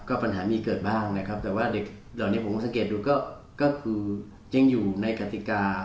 ก็ปัญหามีเกิดบ้างนะครับแต่ว่าเด็กเหล่านี้ผมสังเกตดูก็คือยังอยู่ในกติกา